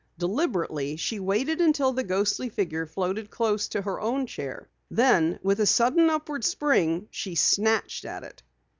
Deliberately she waited until the ghostly figure floated close to her own chair. Then with a sudden upward spring, she snatched at it.